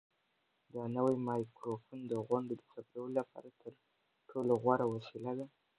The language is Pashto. دا نوی مایکروفون د غونډو د ثبتولو لپاره تر ټولو غوره وسیله ده.